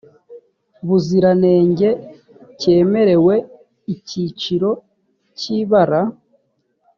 buziranenge cyemerewe icyiciro cy ibara